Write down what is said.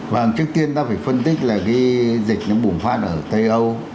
và trước tiên ta phải phân tích là cái dịch nó bùng phát ở tây âu